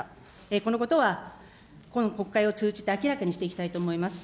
このことは、今国会を通じて明らかにしていきたいと思います。